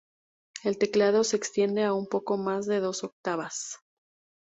El teclado se extiende a un poco más de dos octavas.